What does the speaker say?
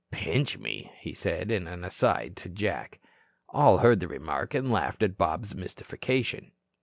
"Pinch me," he said, in an aside to Jack. All heard the remark, and laughed at Bob's mystification.